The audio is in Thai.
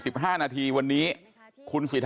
ลาออกจากหัวหน้าพรรคเพื่อไทยอย่างเดียวเนี่ย